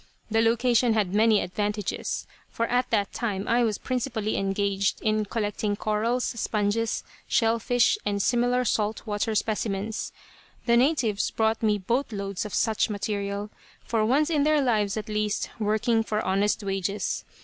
The location had many advantages, for at that time I was principally engaged in collecting corals, sponges, shell fish and similar salt water specimens. The natives brought me boat loads of such material, for once in their lives, at least, working for honest wages.